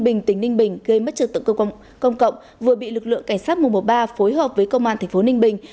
bình tỉnh ninh bình gây mất trật tự công cộng vừa bị lực lượng cảnh sát một trăm một mươi ba phối hợp với công an thành phố ninh bình